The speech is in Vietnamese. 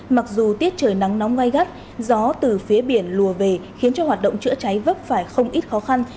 mặc dù tiết trời nắng nóng gai gắt gió từ phía biển lùa về khiến cho hoạt động chữa cháy vấp phải không ít khó khăn